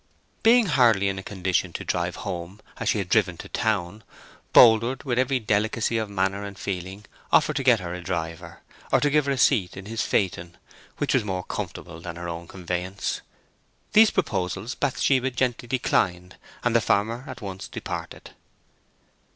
Being hardly in a condition to drive home as she had driven to town, Boldwood, with every delicacy of manner and feeling, offered to get her a driver, or to give her a seat in his phaeton, which was more comfortable than her own conveyance. These proposals Bathsheba gently declined, and the farmer at once departed.